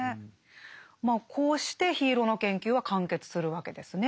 まあこうして「緋色の研究」は完結するわけですね。